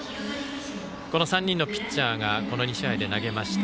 この３人のピッチャーがこの２試合で投げました。